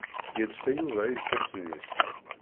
Yelsa Yuba irkasen-is.